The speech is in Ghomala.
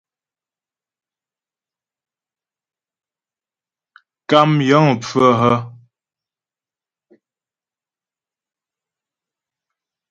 Kàm yəŋ pfə́ hə́ ?